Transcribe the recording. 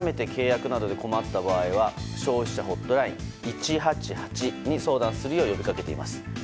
例えば、消費者庁ではこのタイミングで改めて契約などで困った場合は消費者ホットライン１８８に相談するよう呼びかけています。